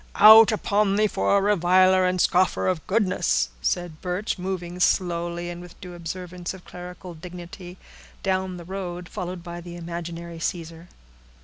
"Out upon thee for a reviler and scoffer of goodness!" said Birch, moving slowly, and with a due observance of clerical dignity, down the road, followed by the imaginary Caesar.